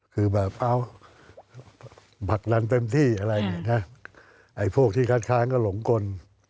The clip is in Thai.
คือแบบเอาบัตรนั้นเต็มที่ไอ้พวกที่คัดค้างก็หลงกล